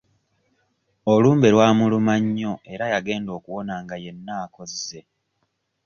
Olumbe lwamuluma nnyo era yagenda okuwona nga yenna akozze.